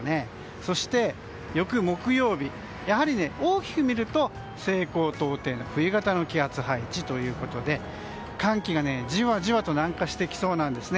そして、翌木曜日やはり大きく見ると西高東低の冬型の気圧配置ということで寒気がじわじわと南下してきそうなんですね。